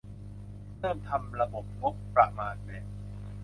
เริ่มทำระบบงบประมาณแบบ